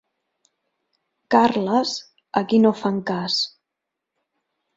Carles a qui no fan cas.